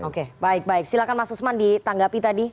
oke baik baik silahkan mas usman ditanggapi tadi